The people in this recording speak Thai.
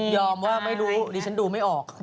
ว่าไม่รู้ดิฉันดูไม่ออก